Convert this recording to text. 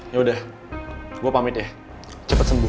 ya udah gue pamit ya cepet sembuh